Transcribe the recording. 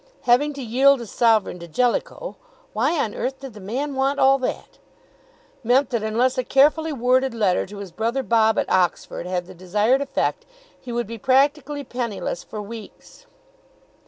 Having to yield a sovereign to Jellicoe why on earth did the man want all that? meant that, unless a carefully worded letter to his brother Bob at Oxford had the desired effect, he would be practically penniless for weeks.